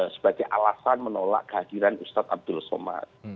sebagai alasan menolak kehadiran ustadz abdul somad